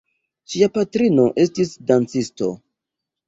Ŝia patrino estis dancisto.